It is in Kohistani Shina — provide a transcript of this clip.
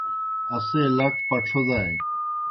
اسے لڇ پَڇَھو دانیْ۔